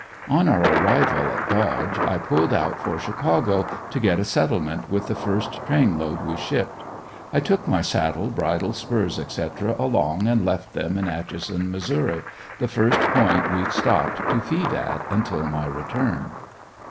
On our arrival in Dodge I pulled out for Chicago, to get a settlement, with the first train load we shipped. I took my saddle, bridle, spurs, etc. along and left them in Atchison, Mo., the first point we stopped to feed at, until my return.